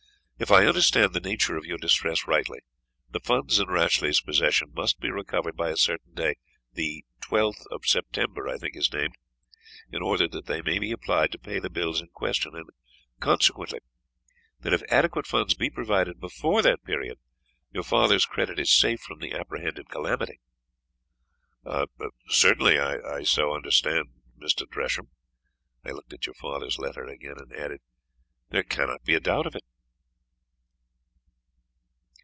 If I understand the nature of your distress rightly, the funds in Rashleigh's possession must be recovered by a certain day the 12th of September, I think is named in order that they may be applied to pay the bills in question; and, consequently, that if adequate funds be provided before that period, your father's credit is safe from the apprehended calamity." "Certainly I so understand Mr. Tresham" I looked at your father's letter again, and added, "There cannot be a doubt of it."